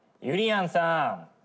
ゆりやんさん。